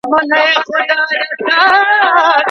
د طلاق پر مشروعيت د فقهاوو اتفاق دی.